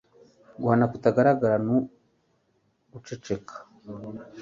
Guhana kutagaragara no guceceka